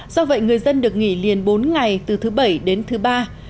do vậy người dân được nghỉ liền bốn ngày từ thứ bảy đến thứ ba